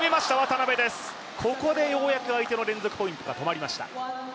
ここでようやく相手の連続ポイントが止まりました。